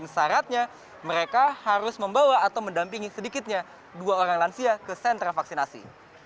syaratnya mereka harus membawa atau mendampingi sedikitnya dua orang lansia ke sentra vaksinasi